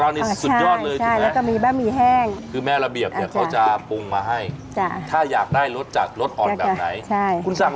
อ่านไว้นั้นแบบแห้งแล้วก็แบบน้ำน้ำอ่ะต้มยำนะเอง